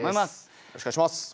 よろしくお願いします。